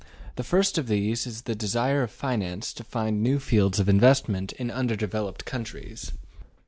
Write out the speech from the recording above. The first of these is the desire of finance to find new fields of investment in undeveloped countries.